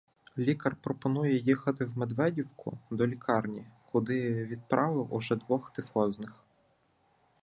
Лікар пропонує їхати в Мед- ведівку до лікарні, куди відправив уже двох тифозних.